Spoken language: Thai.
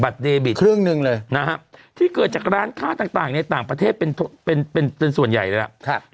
เดบิตครึ่งหนึ่งเลยนะครับที่เกิดจากร้านค้าต่างในต่างประเทศเป็นเป็นส่วนใหญ่เลยล่ะ